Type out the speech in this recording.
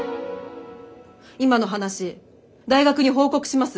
今の話大学に報告します。